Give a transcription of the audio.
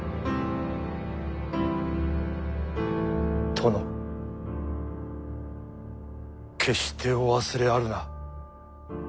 殿決してお忘れあるな。